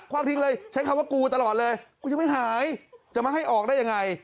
ความทิ้งเลยใช้คำว่ากูตลอดเลยกูยังไม่หายจะมาให้ออกได้ยังไง